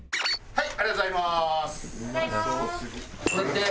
はい。